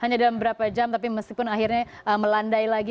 hanya dalam beberapa jam tapi meskipun akhirnya melandai lagi